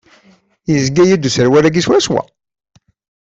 Yezga-yi-d userwal-agi swaswa.